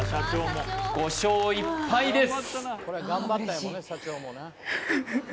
５勝１敗です